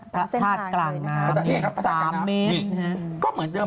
ตรับเส้นทางเลยนะครับ๓เมตร